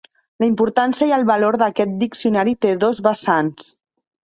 La importància i el valor d'aquest diccionari té dos vessants.